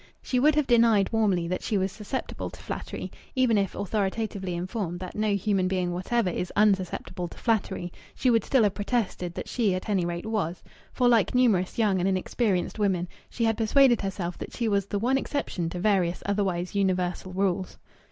She would have denied warmly that she was susceptible to flattery; even if authoritatively informed that no human being whatever is unsusceptible to flattery, she would still have protested that she at any rate was, for, like numerous young and inexperienced women, she had persuaded herself that she was the one exception to various otherwise universal rules.